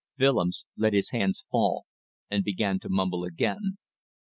Willems let his hands fall, and began to mumble again.